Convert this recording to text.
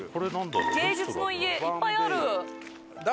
「芸術の家」いっぱいある！